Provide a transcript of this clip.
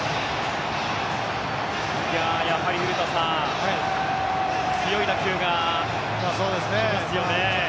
やはり古田さん強い打球が来ますよね。